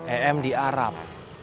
em di arab